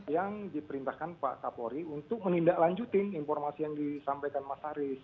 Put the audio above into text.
yang diperintahkan pak kapolri untuk menindaklanjutin informasi yang disampaikan mas haris